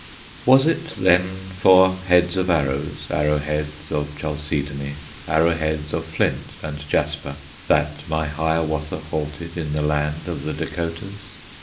Was it then for heads of arrows, Arrow heads of chalcedony, Arrow heads of flint and jasper, That my Hiawatha halted In the land of the Dacotahs?